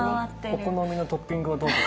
お好みのトッピングをどうぞ。